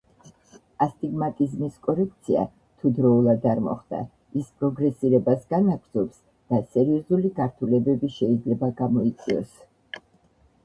ასტიგმატიზმის კორექცია თუ დროულად არ მოხდა, ის პროგრესირებას განაგრძობს და სერიოზული გართულებები შეიძლება გამოიწვიოს.